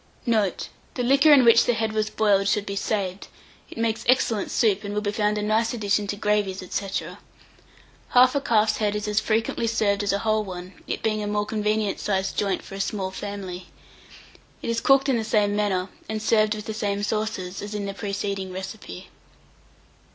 Note. The liquor in which the head was boiled should be saved: it makes excellent soup, and will be found a nice addition to gravies, &c. Half a calf's head is as frequently served as a whole one, it being a more convenient sized joint for a small family. It is cooked in the same manner, and served with the same sauces, as in the preceding recipe.